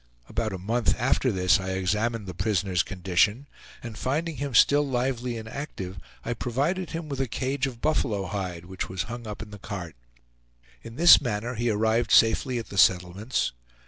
About a month after this I examined the prisoner's condition, and finding him still lively and active, I provided him with a cage of buffalo hide, which was hung up in the cart. In this manner he arrived safely at the settlements.